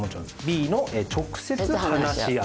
Ｂの「直接話し合う」